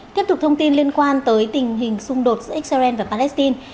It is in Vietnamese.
tiếp tục thông tin liên quan tới tình hình xung đột giữa israel và palestine